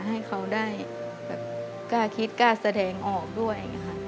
ให้เขาได้กล้าคิดกล้าแสดงออกด้วย